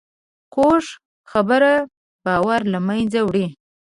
کوږه خبره باور له منځه وړي